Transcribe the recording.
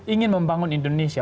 ingin membangun indonesia